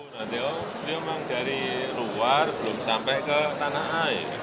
nanti oh dia emang dari luar belum sampai ke tanah air